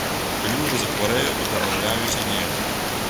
Калі ўжо захварэю, то дамаўляюся неяк.